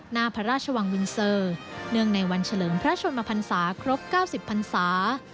หน้าพระราชวังวินเสิร์ตเนื่องในวันเฉลิมพระชนมภัณฑ์ศาสตร์ครบ๙๐ภัณฑ์ศาสตร์